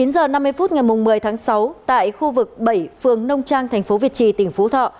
chín giờ năm mươi phút ngày một mươi tháng sáu tại khu vực bảy phường nông trang tp việt trì tỉnh phú thọ